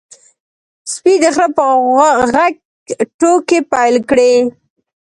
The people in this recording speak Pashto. سپي د خره په غږ ټوکې پیل کړې.